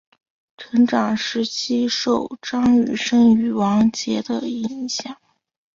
成长时期受张雨生与王杰的影响。